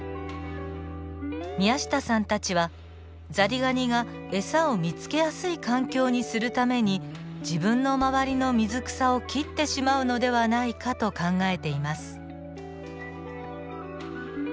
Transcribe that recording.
宮下さんたちはザリガニが餌を見つけやすい環境にするために自分の周りの水草を切ってしまうのではないかと考えています。